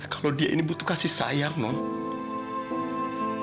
kalau dia ini butuh kasih sayang non